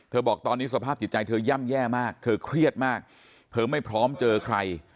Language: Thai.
บอกตอนนี้สภาพจิตใจเธอย่ำแย่มากเธอเครียดมากเธอไม่พร้อมเจอใคร